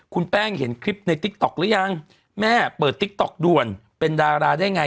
คุณแป้งเห็นคลิปในติ๊กต๊อกหรือยังแม่เปิดติ๊กต๊อกด่วนเป็นดาราได้ไง